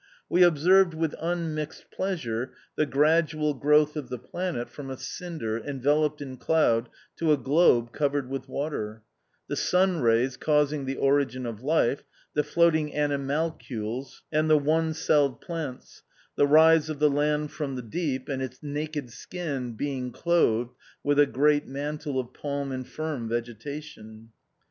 We observed with unmixed pleasure the gradual growth of the planet from a cinder enveloped in cloud to a globe covered with water; the sun rays causing the origin of life ; the floating animalcules and one celled plants ; the rise of the land from the deep, and its naked skin being clothed with a green mantle of palm and fern vegetation.